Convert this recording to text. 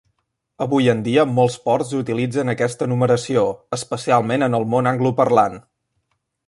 Avui en dia molts ports utilitzen aquesta numeració, especialment en el món angloparlant.